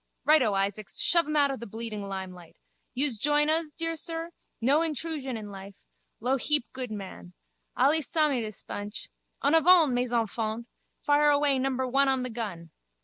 Righto, Isaacs, shove em out of the bleeding limelight. Yous join uz, dear sir? No hentrusion in life. Lou heap good man. Allee samee dis bunch. En avant, mes enfants! Fire away number one on the gun.